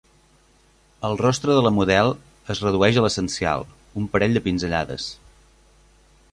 El rostre de la model es redueix a l'essencial: un parell de pinzellades.